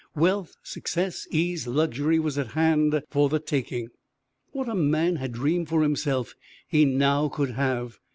Wealth, success, ease, luxury was at hand for the taking. What a man had dreamed for himself he now could have.